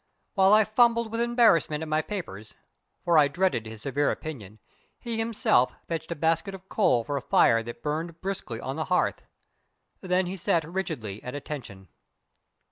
While I fumbled with embarrassment at my papers for I dreaded his severe opinion he himself fetched a basket of coal for a fire that burned briskly on the hearth. Then he sat rigidly at attention.